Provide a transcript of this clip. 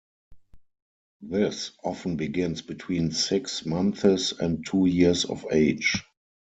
This often begins between six months and two years of age.